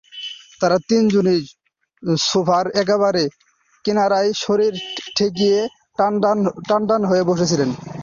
তাঁরা তিনজনই সোফার একেবারে কিনারায় শরীর ঠেকিয়ে টান টান হয়ে বসে ছিলেন।